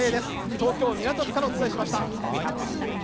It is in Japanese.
東京・港区からお伝えしました。